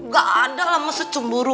gak ada lah masa cemburu